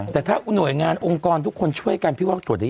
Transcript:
แต่ถ้าหน่วยงานองค์กรทุกคนช่วยกันพี่วอกตรวจดี